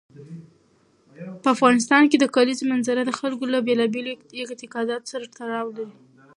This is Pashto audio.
په افغانستان کې د کلیزو منظره د خلکو له بېلابېلو اعتقاداتو سره تړاو لري.